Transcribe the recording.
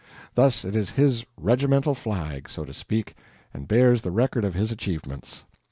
Thus it is his regimental flag, so to speak, and bears the record of his achievements.